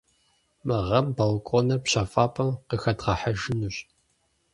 Мы гъэм балконыр пщэфӏапӏэм къыхэдгъэхьэжынущ.